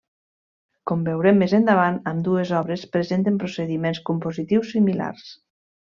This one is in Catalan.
Com veurem més endavant, ambdues obres presenten procediments compositius similars.